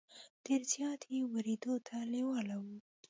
ډېر زیات یې ورېدو ته لېواله وو.